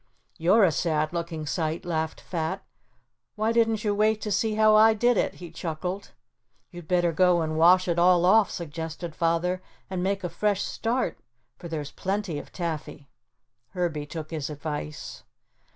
"You're a sad looking sight," laughed Fat. "Why didn't you wait to see how I did it," he chuckled. "You'd better go and wash it all off," suggested Father, "and make a fresh start, for there's plenty of taffy." Herbie took his advice.